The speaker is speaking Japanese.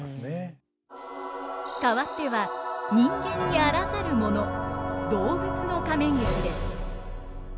かわっては人間にあらざるもの動物の仮面劇です。